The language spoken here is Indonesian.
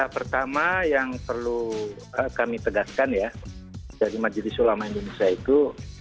pertama yang perlu kami tegaskan ya dari majelis ulama indonesia itu